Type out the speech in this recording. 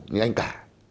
như anh cả